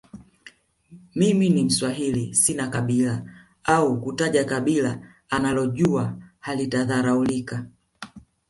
mimi ni mswahili sina kabila au kutaja kabila analojua halitadharaulika